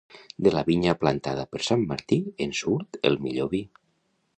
De la vinya plantada per Sant Martí en surt el millor vi.